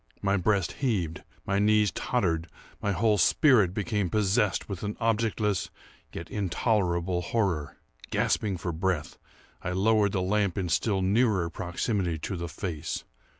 My breast heaved, my knees tottered, my whole spirit became possessed with an objectless yet intolerable horror. Gasping for breath, I lowered the lamp in still nearer proximity to the face.